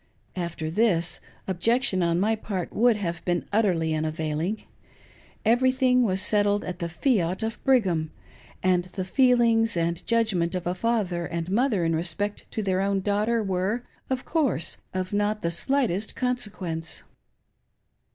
After this, objection on my part would have been utterly unavailing. Everything was settled at the fiat of Brigham ; and the feelings and judgment of a father and mother in respect to their own daughter were, of course, of not the slightest consequence.